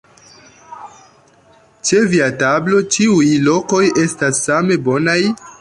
Ĉe via tablo ĉiuj lokoj estas same bonaj!